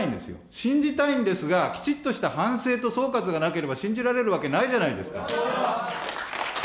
信じたいんですが、きちっとした反省と総括がなければ信じられるわけないじゃないですか。